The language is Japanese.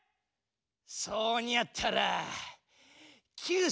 そうにゃったら。